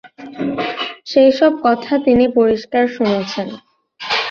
সেইসব কথা তিনি পরিষ্কার শুনছেন।